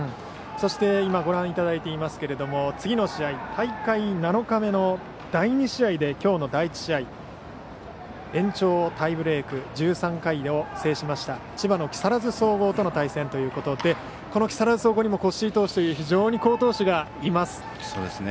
そして今ご覧いただいていますが次の試合大会７日目の第２試合で今日の第１試合延長タイブレーク１３回で制して木更津総合との対戦ということでこの木更津総合にも越井投手という好投手がいます。